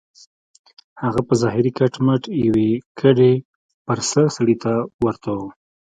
هغه په ظاهره کټ مټ يوې کډې پر سر سړي ته ورته و.